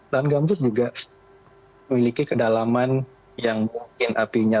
lahan gambut juga memiliki kedalaman yang mungkin apinya